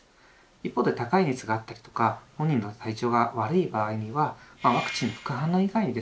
一方で高い熱があったりとか本人の体調が悪い場合にはワクチン副反応以外にですね